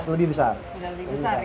sudah lebih besar ya